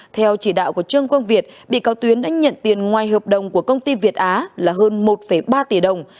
theo chỉ đạo của trương quang việt bị cao tuyến đã nhận tiền ngoài hợp đồng của công ty việt á là hơn một ba tỷ đồng